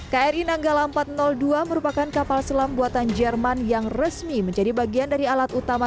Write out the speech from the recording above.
kri nanggala empat ratus dua merupakan kapal selam buatan jerman yang resmi menjadi bagian dari alat utama